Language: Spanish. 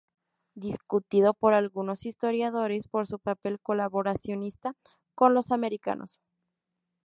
Discutido por algunos historiadores por su papel colaboracionista con los americanos.